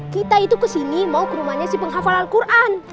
kita itu kesini mau ke rumahnya si penghafal al quran